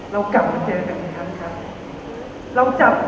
เรากลับมาเจอกันอีกครั้งครับ